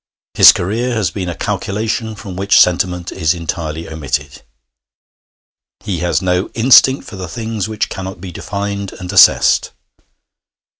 His career has been a calculation from which sentiment is entirely omitted; he has no instinct for the things which cannot be defined and assessed.